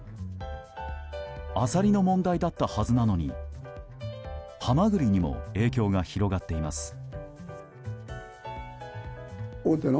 アサリの問題だったはずなのにハマグリにも影響が広がっています。